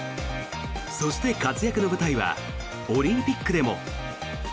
そして、活躍の舞台はオリンピックでも。